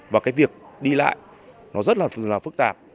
và cái việc đi lại nó rất là phức tạp